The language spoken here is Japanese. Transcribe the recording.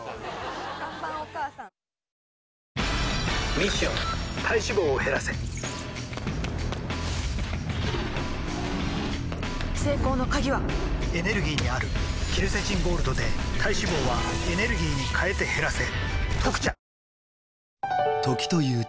ミッション体脂肪を減らせ成功の鍵はエネルギーにあるケルセチンゴールドで体脂肪はエネルギーに変えて減らせ「特茶」